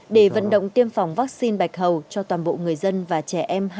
để vận động tiêm phòng vaccine bạch hầu cho toàn bộ người dân và trẻ em